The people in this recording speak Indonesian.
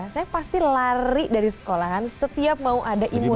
saya pasti lari dari sekolahan setiap mau ada imun